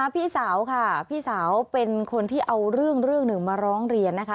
พี่สาวค่ะพี่สาวเป็นคนที่เอาเรื่องหนึ่งมาร้องเรียนนะคะ